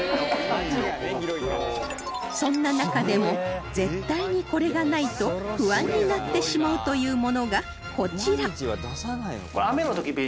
そんな中でも絶対にこれがないと不安になってしまうというものがこちら